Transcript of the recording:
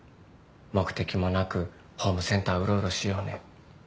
目的もなくホームセンターうろうろしようね。